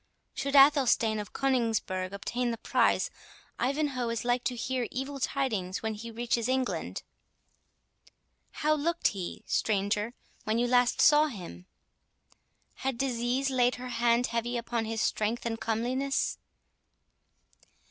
Should Athelstane of Coningsburgh obtain the prize, Ivanhoe is like to hear evil tidings when he reaches England.—How looked he, stranger, when you last saw him? Had disease laid her hand heavy upon his strength and comeliness?"